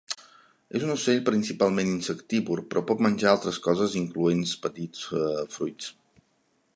És un ocell principalment insectívor però pot menjar altres coses incloents petits fruits.